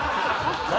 何？